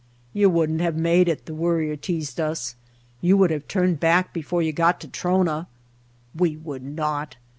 "You wouldn't have made it," the Worrier teased us, "you would have turned back before you got to Trona." "We would not!"